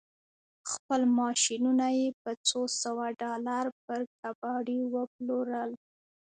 خپل ماشينونه يې په څو سوه ډالر پر کباړي وپلورل.